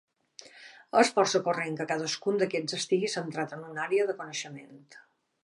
És força corrent que cadascun d'aquests estigui centrat en una àrea de coneixement.